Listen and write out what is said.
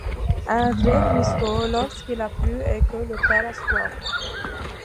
Un vrai ruisseau, lorsqu'il a plu et que la terre a soif.